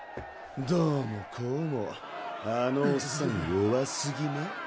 どうもこうもあのおっさん弱すぎな。